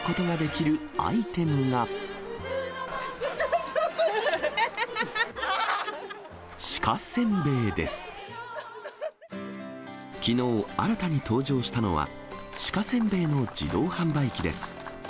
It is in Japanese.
きのう、新たに登場したのは、鹿せんべいの自動販売機です。